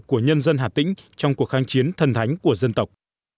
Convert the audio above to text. của nhân dân hà tĩnh trong cuộc kháng chiến thần thánh của dân tộc